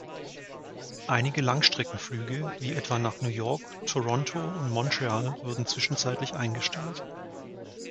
Einige Langstreckenflüge, wie etwa nach New York, Toronto und Montreal wurden zwischenzeitlich eingestellt.